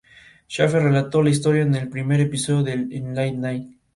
Shaffer relató la historia en el primer episodio en Late Night.